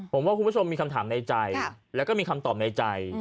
ผมว่าคุณผู้ชมมีคำถามในใจแล้วก็มีคำตอบในใจ